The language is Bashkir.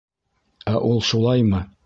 Ә ул шулаймы?